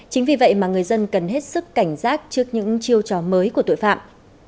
chính vì vậy mà người dân cần hết sức cảnh giác trước những chiêu trò mới của tội phạm